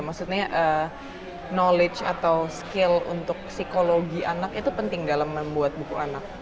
maksudnya knowledge atau skill untuk psikologi anak itu penting dalam membuat buku anak